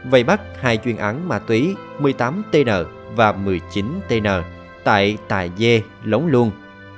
vầy bắt hai chuyên án ma túy một mươi tám tn và một mươi chín tn tại tài dê lống luôn